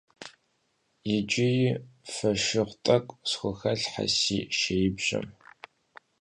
Yicıri foşşığu t'ek'u sxuelhhe si şşêibjem.